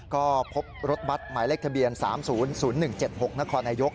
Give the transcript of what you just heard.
ก็พบรถบัตรหมายเลขทะเบียน๓๐๐๑๗๖นครนายก